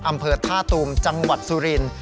อำเภอทาตุ๋มจังหวัดสุริน